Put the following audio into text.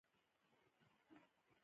احمد د خپل نوي کور سر پټ کړ.